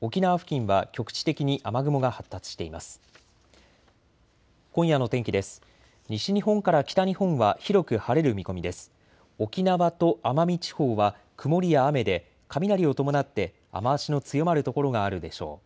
沖縄と奄美地方は曇りや雨で雷を伴って雨足の強まる所があるでしょう。